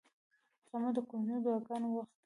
غرمه د کورنیو دعاګانو وخت دی